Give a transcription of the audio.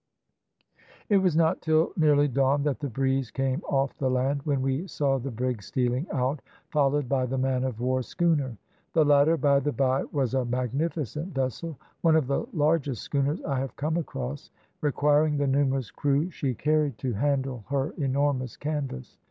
"It was not till nearly dawn that the breeze came off the land, when we saw the brig stealing out, followed by the man of war schooner. The latter, by the bye, was a magnificent vessel, one of the largest schooners I have come across, requiring the numerous crew she carried to handle her enormous canvas.